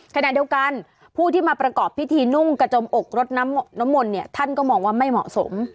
ขณะเดียวกันผู้ที่มาประกอบพิธีนุ่งกระจมอกรถน้ำมนต์เนี่ยท่านก็มองว่าไม่เหมาะสม